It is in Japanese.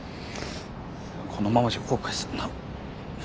このままじゃ後悔するな。